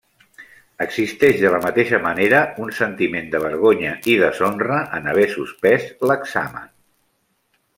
Existeix de la mateixa manera un sentiment de vergonya i deshonra en haver suspès l'examen.